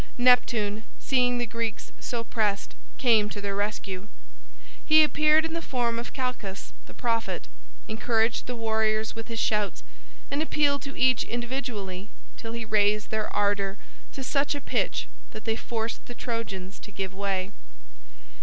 Neptune, seeing the Greeks so pressed, came to their rescue. He appeared in the form of Calchas the prophet, encouraged the warriors with his shouts, and appealed to each individually till he raised their ardor to such a pitch that they forced the Trojans to give way.